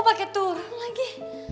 paket turun lagi